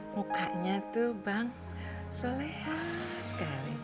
mukanya tuh bang soleha sekali